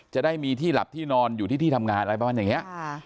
จะได้มีที่หลับที่นอนอยู่ที่ที่ทำงานอะไรประมาณอย่างนี้